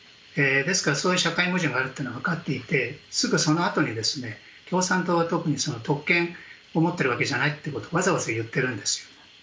ですからそういう社会矛盾があるということはわかっていて、すぐそのあとに共産党は特に特権を持ってるわけじゃないということをわざわざ言っているんです。